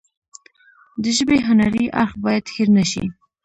د ژبې هنري اړخ باید هیر نشي.